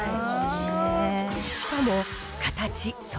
しかも。